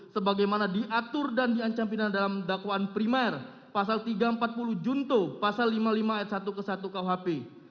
sebagaimana diatur dan diancam pidana dalam dakwaan primer pasal tiga ratus empat puluh junto pasal lima puluh lima ayat satu ke satu kuhp